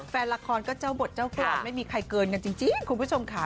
แฟนละครก็เจ้าบทเจ้ากรรมไม่มีใครเกินกันจริงคุณผู้ชมค่ะ